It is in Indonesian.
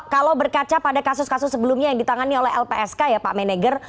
kalau berkaca pada kasus kasus sebelumnya yang ditangani oleh lpsk ya pak menegger